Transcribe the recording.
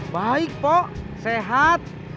baik pok sehat